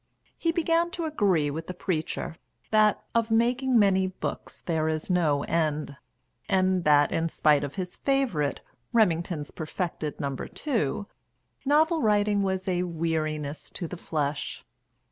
He began to agree with the Preacher, that "of making many books there is no end," and that, in spite of his favourite "Remington's perfected No. 2," novel writing was a weariness to the flesh.